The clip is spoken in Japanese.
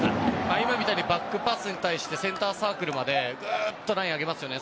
今みたいにバックパスに対してセンターサークルまでぐっとラインを上げますよね。